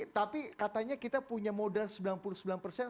tapi katanya kita punya modal sembilan puluh sembilan persen